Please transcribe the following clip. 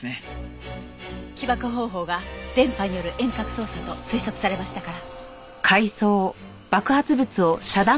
起爆方法が電波による遠隔操作と推測されましたから。